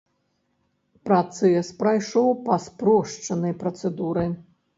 Працэс прайшоў па спрошчанай працэдуры.